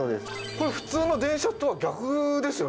これ普通の電車とは逆ですよね？